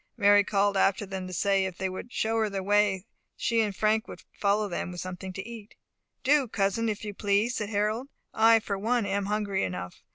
Mary called after them to say, that if they would show her the way, she and Frank would follow them with something to eat. "Do, cousin, if you please," said Harold. "I, for one, am hungry enough.